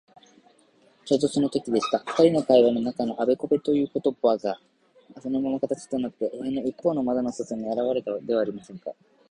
ちょうどそのときでした。ふたりの会話の中のあべこべということばが、そのまま形となって、部屋のいっぽうの窓の外にあらわれたではありませんか。